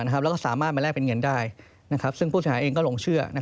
แล้วก็สามารถมาแลกเป็นเงินได้ซึ่งผู้เสียหายเองก็หลงเชื่อ